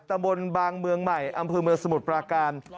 ตำบลบางเมืองใหม่อำเภอเมืองสมุทรปราการ